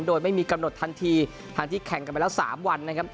โดยไม่มีกำหนดทันทีทางที่แข่งกันไปแล้ว๓วันนะครับ